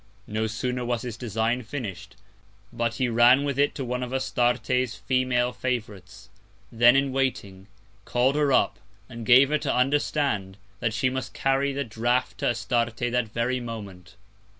No sooner was his Design finish'd, but he ran with it to one of Astarte's Female Favourites, then in waiting, call'd her up, and gave her to understand, that she must carry the Draught to Astarte that very Moment.